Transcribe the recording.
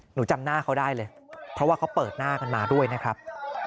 จำหน้าเขาได้เลยเพราะว่าเขาเปิดหน้ากันมาด้วยนะครับ